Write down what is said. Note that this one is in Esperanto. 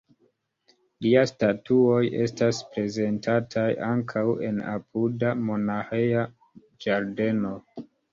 Liaj statuoj estas prezentataj ankaŭ en apuda monaĥeja ĝardeno.